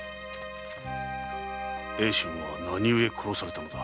英春は何故殺されたのか。